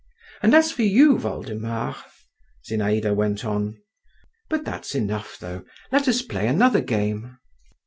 "And as for you, Voldemar,…" Zinaïda went on, "but that's enough, though; let us play another game."